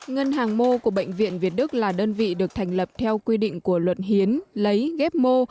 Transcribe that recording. ngân hàng mô của bệnh viện việt đức là đơn vị được thành lập theo quy định của luận hiến lấy ghép mô